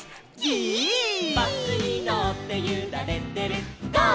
「バスにのってゆられてるゴー！